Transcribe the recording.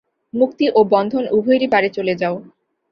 মুক্তি ও বন্ধন উভয়েরই পারে চলে যাও।